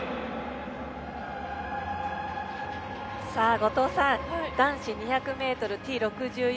後藤さん男子２００ｍＴ６４